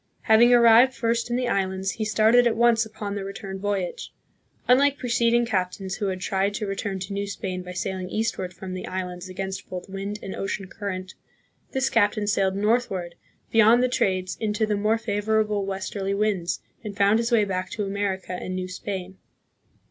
Having arrived first in the islands, he started at once upon the return voyage. Unlike preceding captains who had tried to return to New Spain by sailing eastward from the islands against both wind and ocean current, this captain sailed northward beyond the trades into the more favorable westerly winds, and found his way back to America and New Spain.